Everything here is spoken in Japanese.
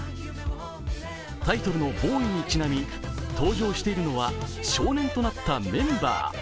タイトルの「ＢＯＹ」にちなみ登場しているのは少年となったメンバー。